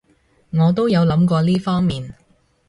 我都有諗過呢方面